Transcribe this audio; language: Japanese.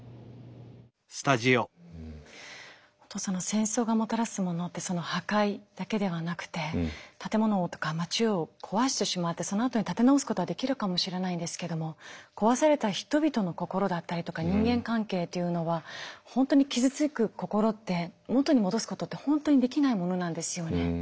戦争がもたらすものって破壊だけではなくて建物とか街を壊してしまってそのあとに建て直すことはできるかもしれないんですけども壊された人々の心だったりとか人間関係というのは本当に傷つく心って元に戻すことって本当にできないものなんですよね。